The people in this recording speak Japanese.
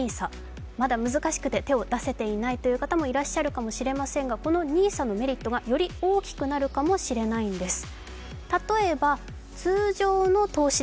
まだ難しくて手を出せていないという方もいらっしゃるかもしれませんがこのＮＩＳＡのメリットが、より大きくなるかもしれないんです。